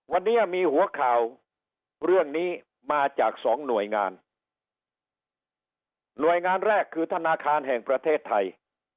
วันนี้มีหัวข่าวเรื่องนี้มาจากสองหน่วยงานหน่วยงานแรกคือธนาคารแห่งประเทศไทย